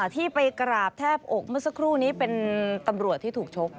ที่ไปกราบแทบอกเมื่อสักครู่นี้เป็นตำรวจที่ถูกชก